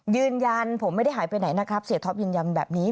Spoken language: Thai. ยืนยันผมไม่ได้หายไปไหนนะครับเสียท็อปยืนยันแบบนี้